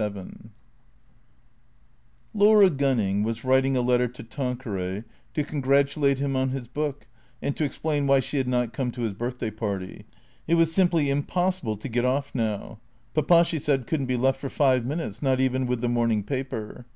XXXVII LAURA GUNNING was writing a letter to Tanqueray to congratulate hira on his book and to explain why she had not come to his birthday party. It was simply impossible to get off now. Papa, she said, could n't be left for five minutes, not even with the morning paper.